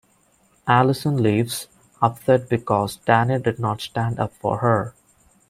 Allyson leaves, upset because Danny did not stand up for her.